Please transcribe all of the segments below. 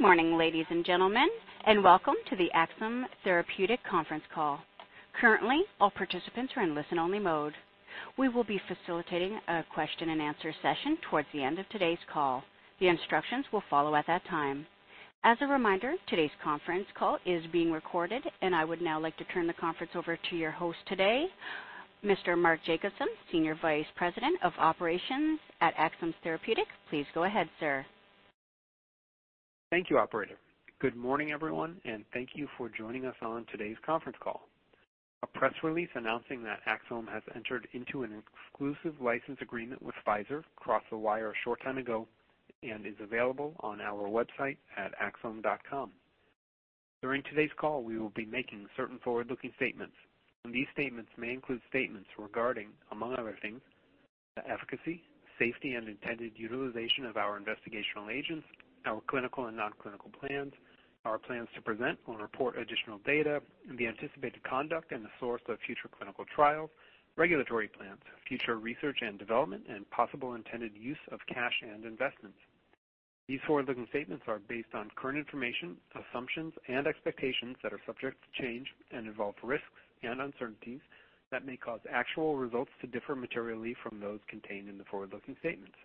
Good morning, ladies and gentlemen, and welcome to the Axsome Therapeutics conference call. Currently, all participants are in listen-only mode. We will be facilitating a question and answer session towards the end of today's call. The instructions will follow at that time. As a reminder, today's conference call is being recorded, and I would now like to turn the conference over to your host today, Mr. Mark Jacobson, Senior Vice President of Operations at Axsome Therapeutics. Please go ahead, sir. Thank you, operator. Good morning, everyone, and thank you for joining us on today's conference call. A press release announcing that Axsome has entered into an exclusive license agreement with Pfizer crossed the wire a short time ago and is available on our website at axsome.com. During today's call, we will be making certain forward-looking statements. These statements may include statements regarding, among other things, the efficacy, safety, and intended utilization of our investigational agents, our clinical and non-clinical plans, our plans to present or report additional data, the anticipated conduct and the source of future clinical trials, regulatory plans, future research and development, and possible intended use of cash and investments. These forward-looking statements are based on current information, assumptions and expectations that are subject to change and involve risks and uncertainties that may cause actual results to differ materially from those contained in the forward-looking statements.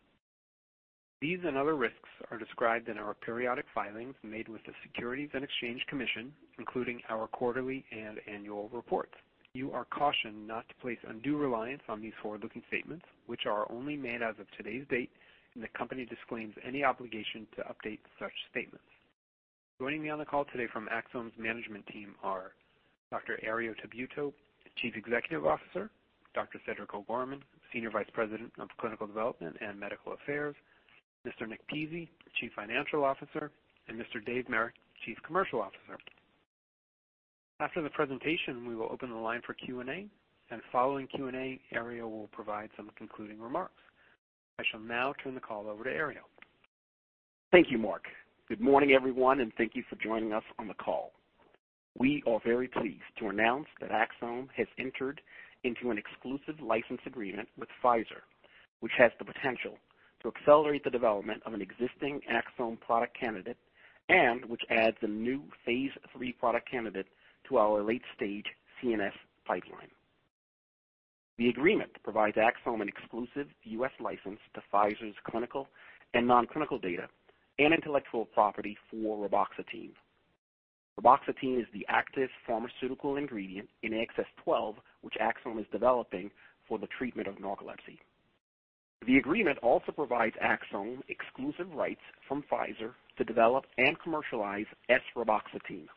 These and other risks are described in our periodic filings made with the Securities and Exchange Commission, including our quarterly and annual reports. You are cautioned not to place undue reliance on these forward-looking statements, which are only made as of today's date, and the company disclaims any obligation to update such statements. Joining me on the call today from Axsome's management team are Dr. Herriot Tabuteau, Chief Executive Officer; Dr. Cedric O'Gorman, Senior Vice President of Clinical Development and Medical Affairs; Mr. Nick Pizzie, Chief Financial Officer; and Mr. Dave Merrick, Chief Commercial Officer. After the presentation, we will open the line for Q&A, and following Q&A, Herriot will provide some concluding remarks. I shall now turn the call over to Ario. Thank you, Mark. Good morning, everyone, thank you for joining us on the call. We are very pleased to announce that Axsome has entered into an exclusive license agreement with Pfizer, which has the potential to accelerate the development of an existing Axsome product candidate and which adds a new phase III product candidate to our late-stage CNS pipeline. The agreement provides Axsome an exclusive U.S. license to Pfizer's clinical and non-clinical data and intellectual property for reboxetine. Reboxetine is the active pharmaceutical ingredient in AXS-12, which Axsome is developing for the treatment of narcolepsy. The agreement also provides Axsome exclusive rights from Pfizer to develop and commercialize esreboxetine,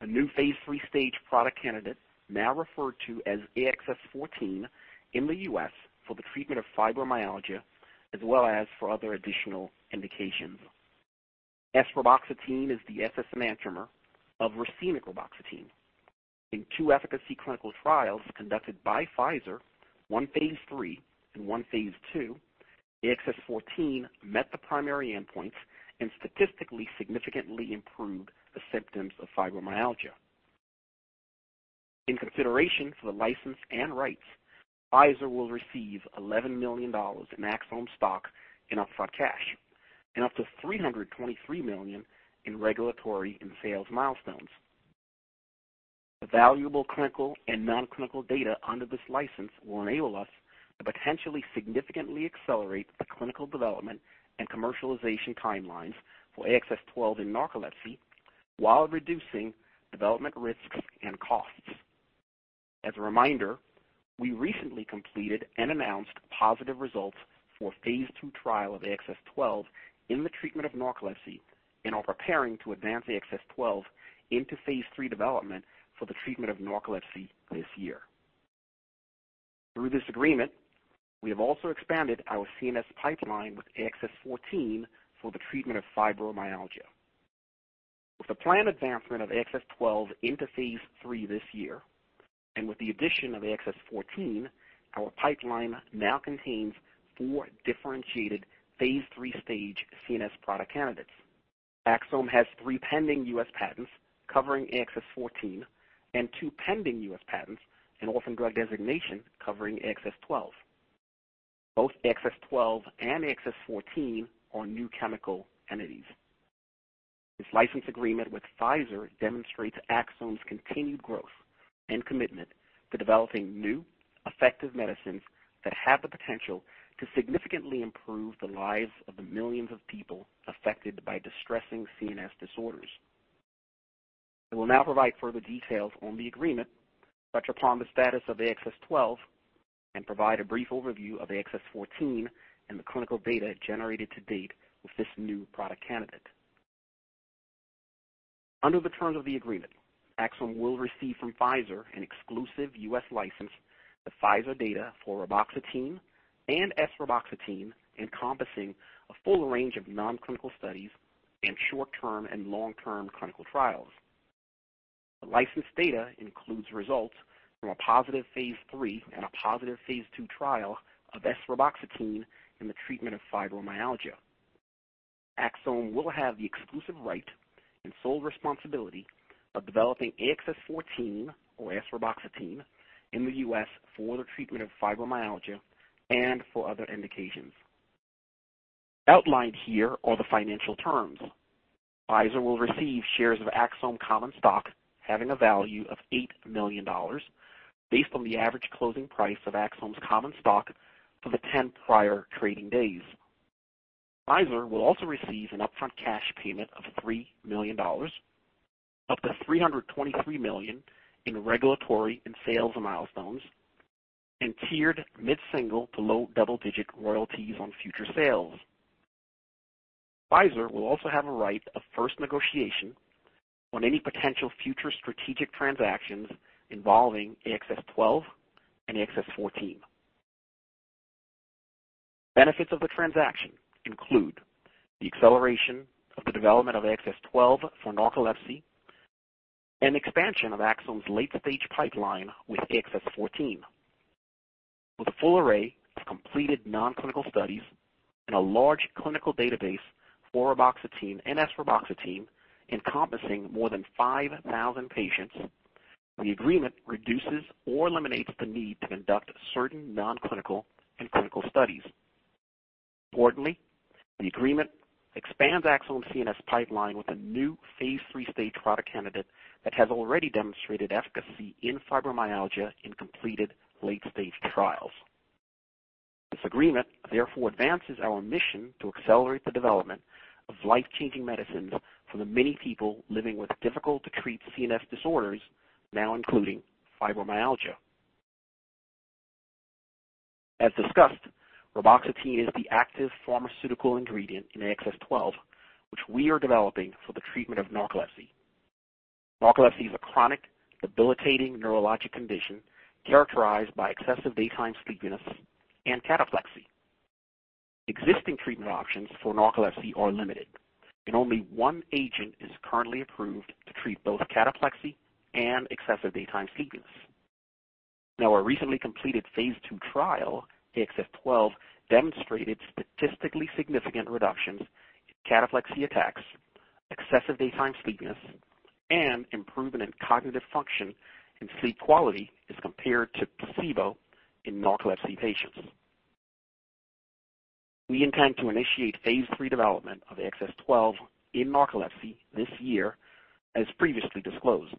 a new phase III stage product candidate now referred to as AXS-14 in the U.S. for the treatment of fibromyalgia, as well as for other additional indications. esreboxetine is the S enantiomer of racemic reboxetine. In two efficacy clinical trials conducted by Pfizer, one phase III and one phase II, AXS-14 met the primary endpoints and statistically significantly improved the symptoms of fibromyalgia. In consideration for the license and rights, Pfizer will receive $11 million in Axsome stock and upfront cash and up to $323 million in regulatory and sales milestones. The valuable clinical and non-clinical data under this license will enable us to potentially significantly accelerate the clinical development and commercialization timelines for AXS-12 in narcolepsy while reducing development risks and costs. As a reminder, we recently completed and announced positive results for phase II trial of AXS-12 in the treatment of narcolepsy and are preparing to advance AXS-12 into phase III development for the treatment of narcolepsy this year. Through this agreement, we have also expanded our CNS pipeline with AXS-14 for the treatment of fibromyalgia. With the planned advancement of AXS-12 into phase III this year, and with the addition of AXS-14, our pipeline now contains four differentiated phase III stage CNS product candidates. Axsome has three pending U.S. patents covering AXS-14 and two pending U.S. patents, an orphan drug designation covering AXS-12. Both AXS-12 and AXS-14 are new chemical entities. This license agreement with Pfizer demonstrates Axsome's continued growth and commitment to developing new, effective medicines that have the potential to significantly improve the lives of the millions of people affected by distressing CNS disorders. I will now provide further details on the agreement, touch upon the status of AXS-12 and provide a brief overview of AXS-14 and the clinical data generated to date with this new product candidate. Under the terms of the agreement, Axsome will receive from Pfizer an exclusive U.S. license, the Pfizer data for reboxetine and S-reboxetine, encompassing a full range of non-clinical studies and short-term and long-term clinical trials. The licensed data includes results from a positive phase III and a positive phase II trial of S-reboxetine in the treatment of fibromyalgia. Axsome will have the exclusive right to and sole responsibility of developing AXS-14 or S-reboxetine in the U.S. for the treatment of fibromyalgia and for other indications. Outlined here are the financial terms. Pfizer will receive shares of Axsome common stock having a value of $8 million based on the average closing price of Axsome's common stock for the 10 prior trading days. Pfizer will also receive an upfront cash payment of $3 million, up to $323 million in regulatory and sales milestones, and tiered mid-single to low double-digit royalties on future sales. Pfizer will also have a right of first negotiation on any potential future strategic transactions involving AXS-12 and AXS-14. Benefits of the transaction include the acceleration of the development of AXS-12 for narcolepsy and expansion of Axsome's late-stage pipeline with AXS-14. With a full array of completed non-clinical studies and a large clinical database for reboxetine and S-reboxetine encompassing more than 5,000 patients, the agreement reduces or eliminates the need to conduct certain non-clinical and clinical studies. Importantly, the agreement expands Axsome's CNS pipeline with a new phase III stage product candidate that has already demonstrated efficacy in fibromyalgia in completed late-stage trials. This agreement, therefore, advances our mission to accelerate the development of life-changing medicines for the many people living with difficult-to-treat CNS disorders, now including fibromyalgia. As discussed, reboxetine is the active pharmaceutical ingredient in AXS-12, which we are developing for the treatment of narcolepsy. Narcolepsy is a chronic, debilitating neurologic condition characterized by excessive daytime sleepiness and cataplexy. Existing treatment options for narcolepsy are limited, only one agent is currently approved to treat both cataplexy and excessive daytime sleepiness. Our recently completed phase II trial, AXS-12, demonstrated statistically significant reductions in cataplexy attacks, excessive daytime sleepiness, and improvement in cognitive function and sleep quality as compared to placebo in narcolepsy patients. We intend to initiate phase III development of AXS-12 in narcolepsy this year as previously disclosed.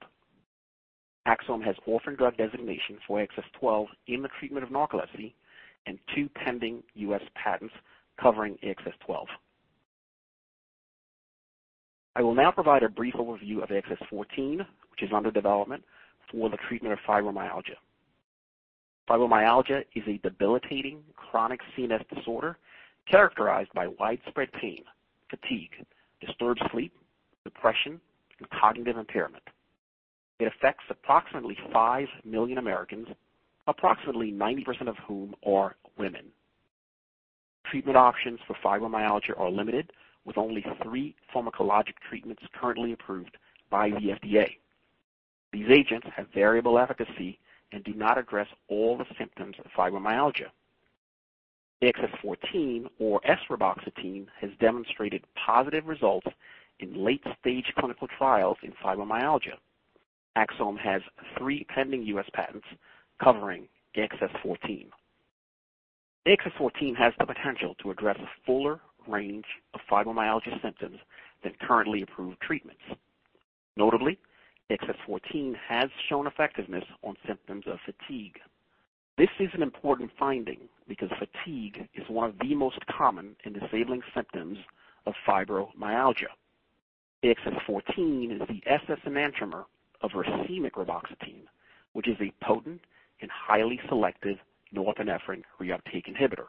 Axsome has orphan drug designation for AXS-12 in the treatment of narcolepsy and two pending U.S. patents covering AXS-12. I will now provide a brief overview of AXS-14, which is under development for the treatment of fibromyalgia. Fibromyalgia is a debilitating chronic CNS disorder characterized by widespread pain, fatigue, disturbed sleep, depression, and cognitive impairment. It affects approximately 5 million Americans, approximately 90% of whom are women. Treatment options for fibromyalgia are limited, with only three pharmacologic treatments currently approved by the FDA. These agents have variable efficacy and do not address all the symptoms of fibromyalgia. AXS-14 or esreboxetine has demonstrated positive results in late-stage clinical trials in fibromyalgia. Axsome has three pending U.S. patents covering AXS-14. AXS-14 has the potential to address a fuller range of fibromyalgia symptoms than currently approved treatments. Notably, AXS-14 has shown effectiveness on symptoms of fatigue. This is an important finding because fatigue is one of the most common and disabling symptoms of fibromyalgia. AXS-14 is the S-enantiomer of racemic reboxetine, which is a potent and highly selective norepinephrine reuptake inhibitor.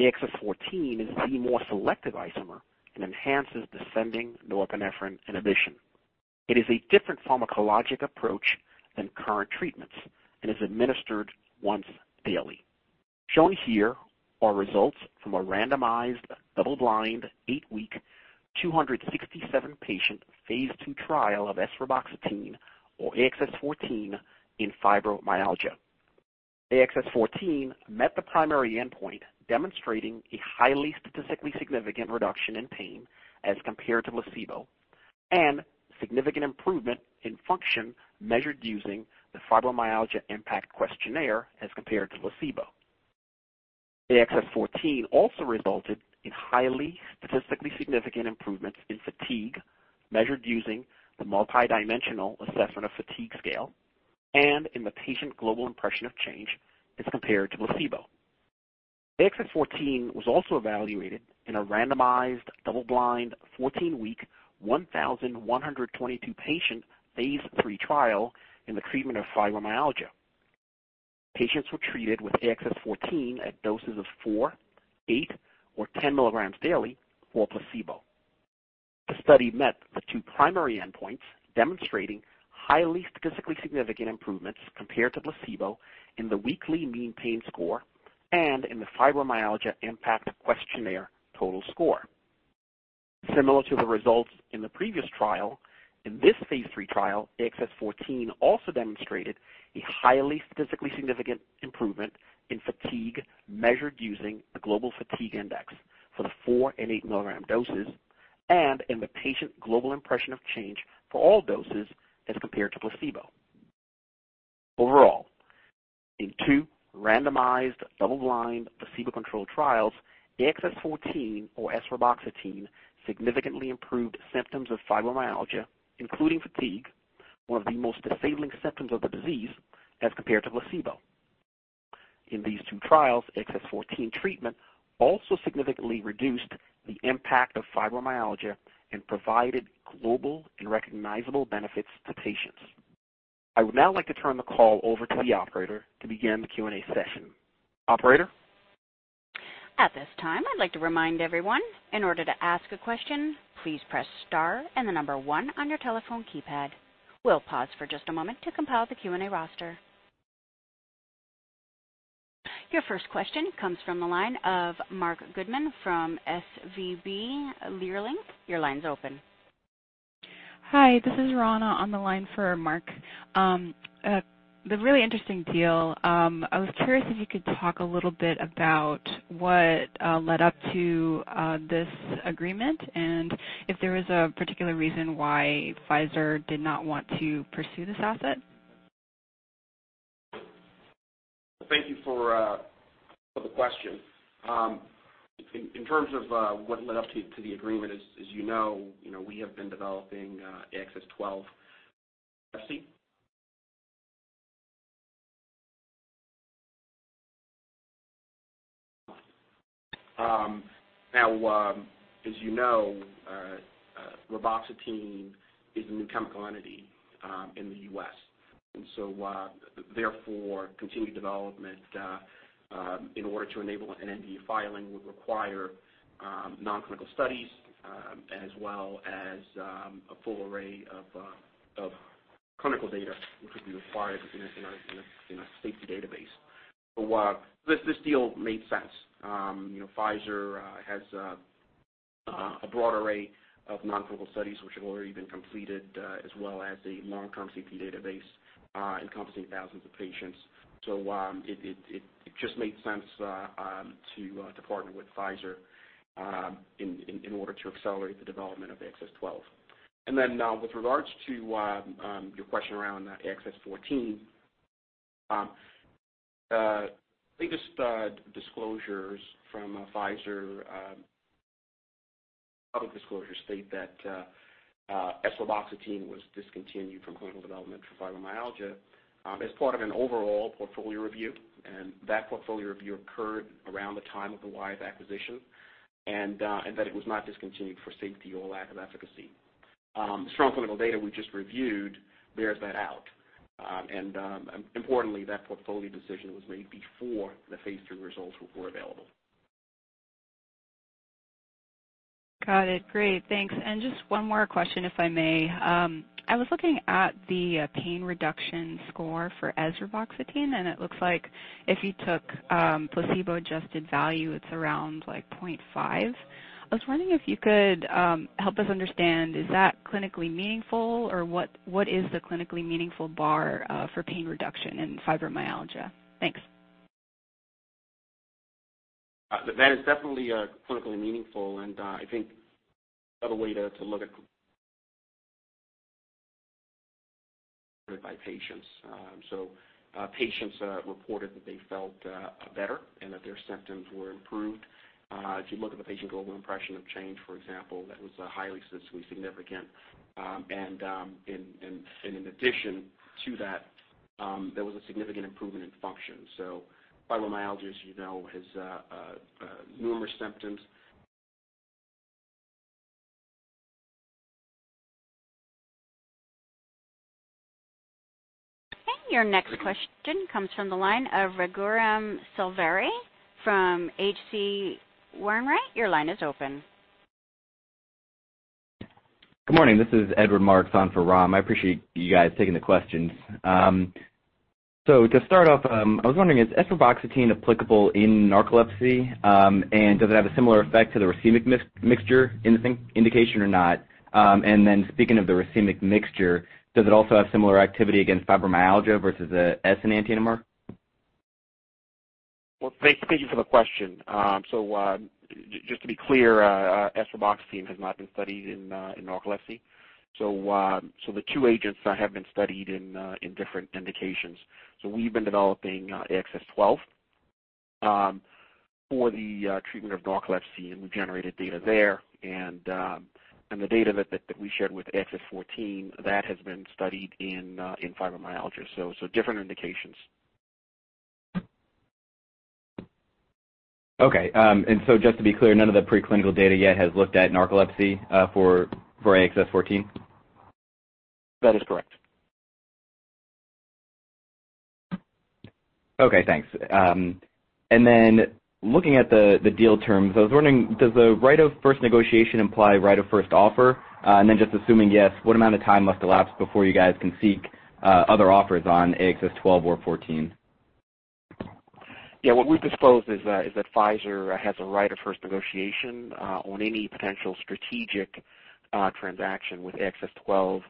AXS-14 is the more selective isomer and enhances descending norepinephrine inhibition. It is a different pharmacologic approach than current treatments and is administered once daily. Shown here are results from a randomized, double-blind, 8-week, 267-patient, phase II trial of S-reboxetine or AXS-14 in fibromyalgia. AXS-14 met the primary endpoint, demonstrating a highly statistically significant reduction in pain as compared to placebo and significant improvement in function measured using the Fibromyalgia Impact Questionnaire as compared to placebo. AXS-14 also resulted in highly statistically significant improvements in fatigue measured using the Multidimensional Assessment of Fatigue Scale and in the Patient Global Impression of Change as compared to placebo. AXS-14 was also evaluated in a randomized, double-blind, 14-week, 1,122 patient, phase III trial in the treatment of fibromyalgia. Patients were treated with AXS-14 at doses of 4, 8, or 10 milligrams daily or placebo. The study met the two primary endpoints, demonstrating highly statistically significant improvements compared to placebo in the weekly mean pain score and in the Fibromyalgia Impact Questionnaire total score. Similar to the results in the previous trial, in this phase III trial, AXS-14 also demonstrated a highly statistically significant improvement in fatigue measured using a Global Fatigue Index for the 4 and 8-milligram doses and in the Patient Global Impression of Change for all doses as compared to placebo. Overall, in two randomized double-blind placebo-controlled trials, AXS-14, or esreboxetine, significantly improved symptoms of fibromyalgia, including fatigue, one of the most disabling symptoms of the disease, as compared to placebo. In these two trials, AXS-14 treatment also significantly reduced the impact of fibromyalgia and provided global and recognizable benefits to patients. I would now like to turn the call over to the operator to begin the Q&A session. Operator? At this time, I'd like to remind everyone, in order to ask a question, please press star and the number 1 on your telephone keypad. We'll pause for just a moment to compile the Q&A roster. Your first question comes from the line of Marc Goodman from SVB Leerink. Your line's open. Hi, this is Ronna on the line for Marc. The really interesting deal, I was curious if you could talk a little bit about what led up to this agreement and if there was a particular reason why Pfizer did not want to pursue this asset. Thank you for the question. In terms of what led up to the agreement, as you know, we have been developing AXS-12. As you know, reboxetine is a new chemical entity in the U.S., continued development, in order to enable an NDA filing, would require non-clinical studies, as well as a full array of clinical data, which would be required in a safety database. This deal made sense. Pfizer has a broad array of non-clinical studies which have already been completed, as well as a long-term safety database encompassing thousands of patients. It just made sense to partner with Pfizer in order to accelerate the development of AXS-12. With regards to your question around AXS-14, the latest disclosures from Pfizer, public disclosures state that esreboxetine was discontinued from clinical development for fibromyalgia as part of an overall portfolio review, and that portfolio review occurred around the time of the Wyeth acquisition, and that it was not discontinued for safety or lack of efficacy. The strong clinical data we just reviewed bears that out, and importantly, that portfolio decision was made before the Phase II results were available. Got it. Great. Thanks. Just one more question, if I may. I was looking at the pain reduction score for esreboxetine, and it looks like if you took placebo-adjusted value, it's around, like, point five. I was wondering if you could help us understand, is that clinically meaningful, or what is the clinically meaningful bar for pain reduction in fibromyalgia? Thanks. That is definitely clinically meaningful, and I think another way to look at it by patients. Patients reported that they felt better and that their symptoms were improved. If you look at the Patient Global Impression of Change, for example, that was highly statistically significant. In addition to that, there was a significant improvement in function. Fibromyalgia, as you know, has numerous symptoms. Okay. Your next question comes from the line of Raghuram Selvaraju from H.C. Wainwright. Your line is open. Good morning. This is Edward Marks on for Raghuram. I appreciate you guys taking the questions. To start off, I was wondering, is esreboxetine applicable in narcolepsy? Does it have a similar effect to the racemic mixture indication or not? Speaking of the racemic mixture, does it also have similar activity against fibromyalgia versus an S-enantiomer? Well, thank you for the question. Just to be clear, esreboxetine has not been studied in narcolepsy. The two agents have been studied in different indications. We've been developing AXS-12 for the treatment of narcolepsy, and we've generated data there. The data that we shared with AXS-14, that has been studied in fibromyalgia, so different indications. Okay. Just to be clear, none of the preclinical data yet has looked at narcolepsy for AXS-14? That is correct. Okay, thanks. Looking at the deal terms, I was wondering, does the right of first negotiation imply right of first offer? Assuming yes, what amount of time must elapse before you guys can seek other offers on AXS-12 or AXS-14? Yeah. What we've disclosed is that Pfizer has a right of first negotiation on any potential strategic transaction with AXS-12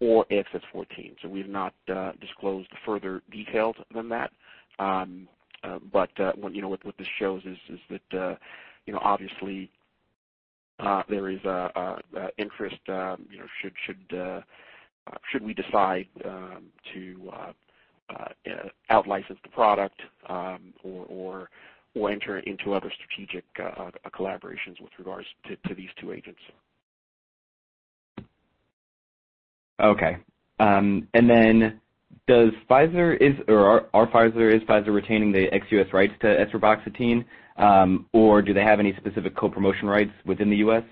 or AXS-14. We've not disclosed further details than that. What this shows is that obviously there is interest should we decide to out-license the product or enter into other strategic collaborations with regards to these two agents. Okay. Then, is Pfizer retaining the ex-U.S. rights to esreboxetine, or do they have any specific co-promotion rights within the U.S.?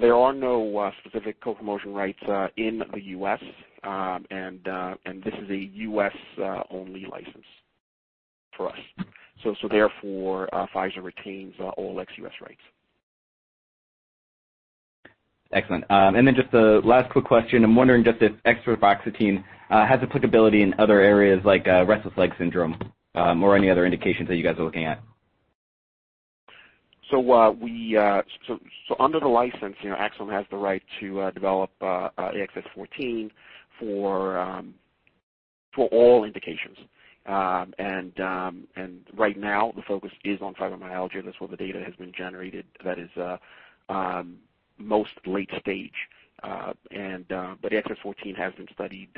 There are no specific co-promotion rights in the U.S., and this is a U.S.-only license for us. Therefore, Pfizer retains all ex-U.S. rights. Excellent. Then just a last quick question. I'm wondering just if esreboxetine has applicability in other areas like restless legs syndrome or any other indications that you guys are looking at. Under the license, Axsome has the right to develop AXS-14 for all indications. Right now the focus is on fibromyalgia, and that's where the data has been generated that is most late stage. AXS-14 has been studied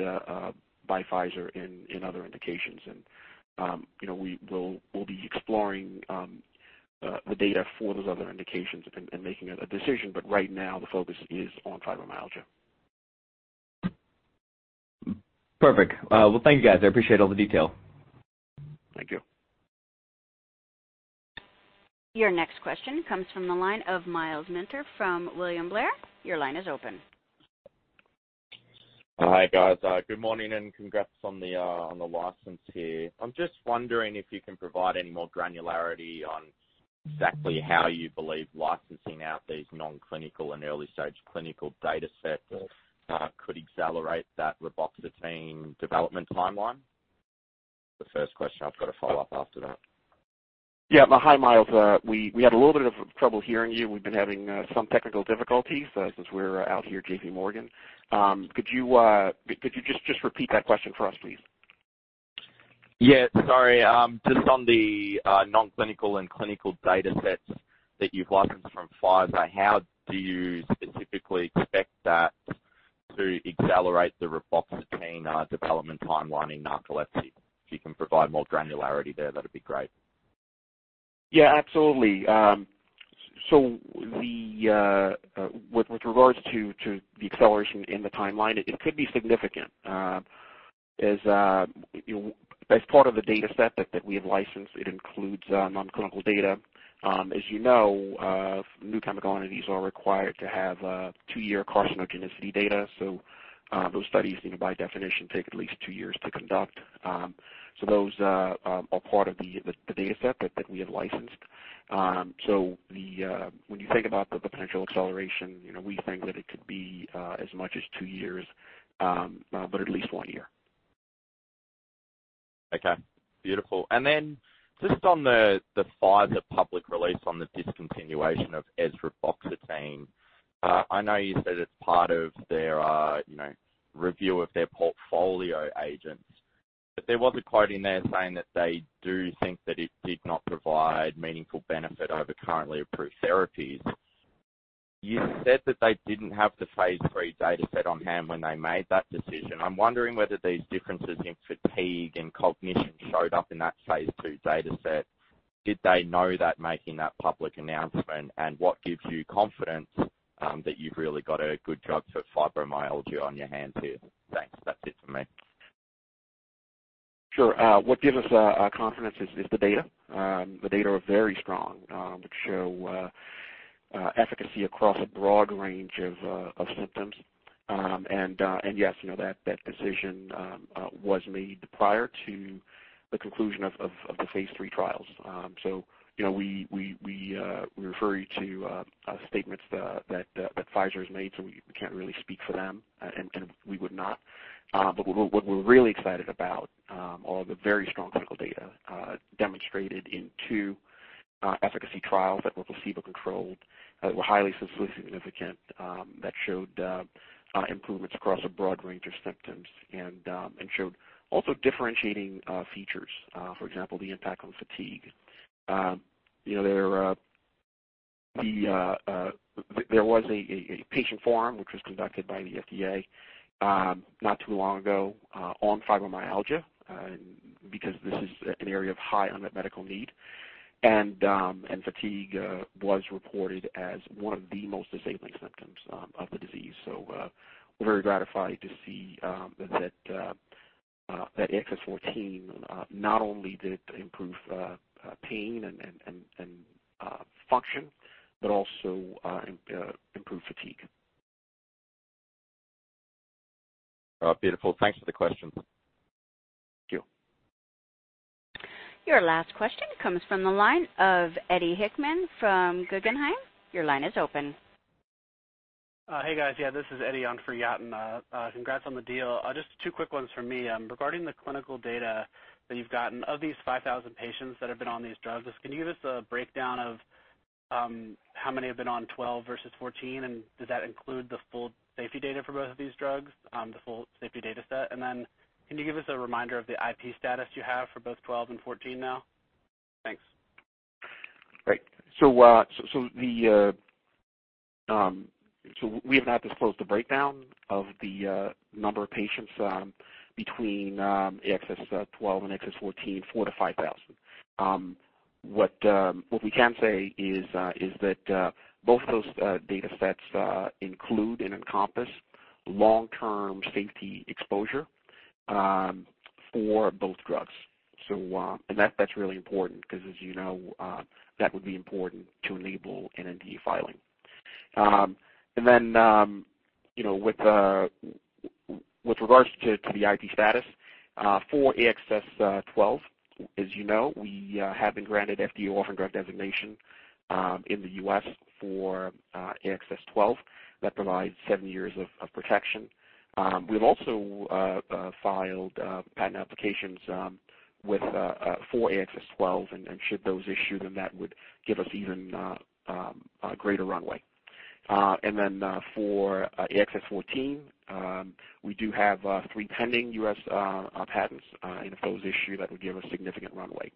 by Pfizer in other indications and we'll be exploring the data for those other indications and making a decision. Right now, the focus is on fibromyalgia. Perfect. Well, thank you, guys. I appreciate all the detail. Thank you. Your next question comes from the line of Myles Minter from William Blair. Your line is open. Hi, guys. Good morning and congrats on the license here. I'm just wondering if you can provide any more granularity on exactly how you believe licensing out these non-clinical and early-stage clinical data sets could accelerate that reboxetine development timeline. The first question I've got a follow-up after that. Yeah. Hi, Myles. We had a little bit of trouble hearing you. We've been having some technical difficulties, since we're out here at JP Morgan. Could you just repeat that question for us, please? Yeah, sorry. Just on the non-clinical and clinical data sets that you've licensed from Pfizer, how do you specifically expect that to accelerate the reboxetine development timeline in narcolepsy? If you can provide more granularity there, that'd be great. Yeah, absolutely. With regards to the acceleration in the timeline, it could be significant. As part of the data set that we have licensed, it includes non-clinical data. As you know, new chemical entities are required to have 2-year carcinogenicity data. Those studies, by definition, take at least 2 years to conduct. Those are part of the data set that we have licensed. When you think about the potential acceleration, we think that it could be as much as 2 years, but at least 1 year. Okay. Beautiful. Just on the Pfizer public release on the discontinuation of esreboxetine. I know you said it's part of their review of their portfolio agents. There was a quote in there saying that they do think that it did not provide meaningful benefit over currently approved therapies. You said that they didn't have the phase III data set on hand when they made that decision. I'm wondering whether these differences in fatigue and cognition showed up in that phase II data set. Did they know that making that public announcement? What gives you confidence that you've really got a good drug for fibromyalgia on your hands here? Thanks. That's it for me. Sure. What gives us confidence is the data. The data are very strong, which show efficacy across a broad range of symptoms. Yes, that decision was made prior to the conclusion of the phase III trials. We refer you to statements that Pfizer's made, we can't really speak for them, we would not. What we're really excited about are the very strong clinical data demonstrated in two efficacy trials that were placebo-controlled, that were highly statistically significant, that showed improvements across a broad range of symptoms and showed also differentiating features. For example, the impact on fatigue. There was a patient forum, which was conducted by the FDA not too long ago on fibromyalgia, because this is an area of high unmet medical need. Fatigue was reported as one of the most disabling symptoms of the disease. We're very gratified to see that AXS-14 not only did it improve pain and function, but also improved fatigue. Beautiful. Thanks for the question. Thank you. Your last question comes from the line of Eddie Hickman from Guggenheim. Your line is open. Hey, guys. Yeah, this is Eddie on for Yatin. Congrats on the deal. Just two quick ones from me. Regarding the clinical data that you've gotten, of these 5,000 patients that have been on these drugs, can you give us a breakdown of how many have been on 12 versus 14, and does that include the full safety data for both of these drugs, the full safety data set? Can you give us a reminder of the IP status you have for both 12 and 14 now? Thanks. Right. We have not disclosed the breakdown of the number of patients between AXS-12 and AXS-14, 4,000-5,000. What we can say is that both of those data sets include and encompass long-term safety exposure for both drugs. That's really important because as you know, that would be important to enable an NDA filing. With regards to the IP status for AXS-12, as you know, we have been granted FDA orphan drug designation in the U.S. for AXS-12. That provides seven years of protection. We've also filed patent applications for AXS-12, and should those issue, then that would give us even a greater runway. For AXS-14, we do have three pending U.S. patents. If those issue, that would give a significant runway.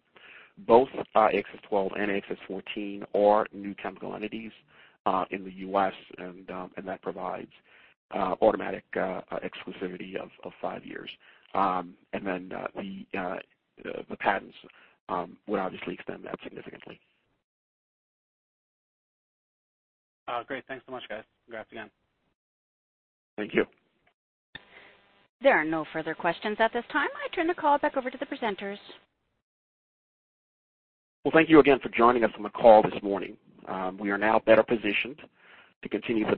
Both AXS-12 and AXS-14 are new chemical entities in the U.S., and that provides automatic exclusivity of five years. The patents would obviously extend that significantly. Great. Thanks so much, guys. Congrats again. Thank you. There are no further questions at this time. I turn the call back over to the presenters. Well, thank you again for joining us on the call this morning. We are now better positioned to continue the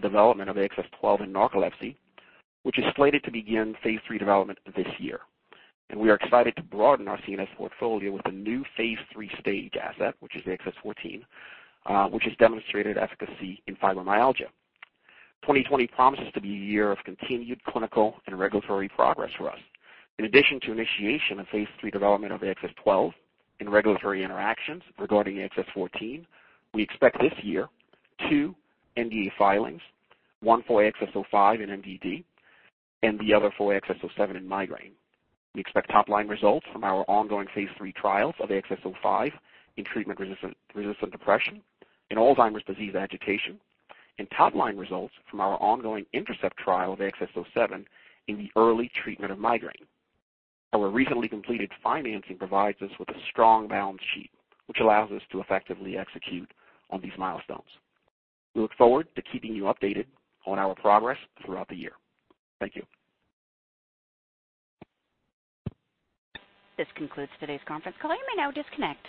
development of AXS-12 in narcolepsy, which is slated to begin phase III development this year. We are excited to broaden our CNS portfolio with a new phase III-stage asset, which is AXS-14, which has demonstrated efficacy in fibromyalgia. 2020 promises to be a year of continued clinical and regulatory progress for us. In addition to initiation of phase III development of AXS-12 in regulatory interactions regarding AXS-14, we expect this year 2 NDA filings, 1 for AXS-05 in MDD and the other for AXS-07 in migraine. We expect top-line results from our ongoing phase III trials of AXS-05 in treatment-resistant depression, in Alzheimer's disease agitation, and top-line results from our ongoing INTERCEPT trial of AXS-07 in the early treatment of migraine. Our recently completed financing provides us with a strong balance sheet, which allows us to effectively execute on these milestones. We look forward to keeping you updated on our progress throughout the year. Thank you. This concludes today's conference call. You may now disconnect.